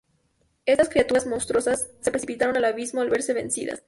Estas criaturas monstruosas se precipitaron al abismo al verse vencidas.